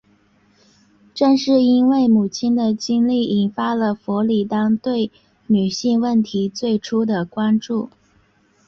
正是母亲的经历引发了弗里丹对女性问题最初的关注。